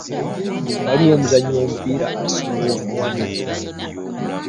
Waliwo omuzannyi w'omupiira asinga ono wano?